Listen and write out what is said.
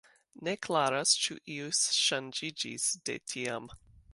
Ne klaras, ĉu io ŝanĝiĝis de tiam.